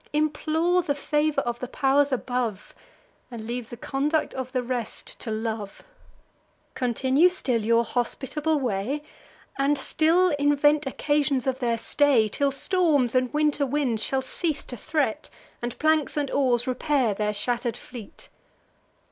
Implore the favour of the pow'rs above, And leave the conduct of the rest to love. Continue still your hospitable way, And still invent occasions of their stay, Till storms and winter winds shall cease to threat, And planks and oars repair their shatter'd fleet."